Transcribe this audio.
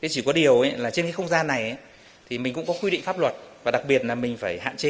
chỉ có điều là trên cái không gian này thì mình cũng có quy định pháp luật và đặc biệt là mình phải hạn chế